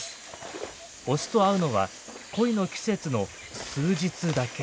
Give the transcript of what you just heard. オスと会うのは恋の季節の数日だけ。